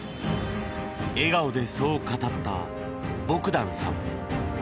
笑顔でそう語ったボグダンさん。